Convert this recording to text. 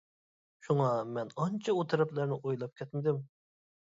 شۇڭا مەن ئانچە ئۇ تەرەپلەرنى ئويلاپ كەتمىدىم.